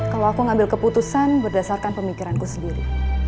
kalau aku ngambil keputusan berdasarkan pemikiranku sendiri